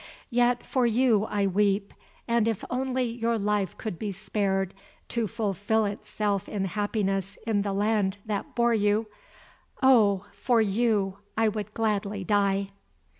Yet for you I weep, and if only your life could be spared to fulfil itself in happiness in the land that bore you, oh! for you I would gladly die."